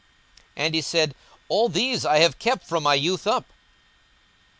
42:018:021 And he said, All these have I kept from my youth up.